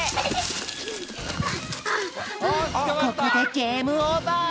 ここでゲームオーバー。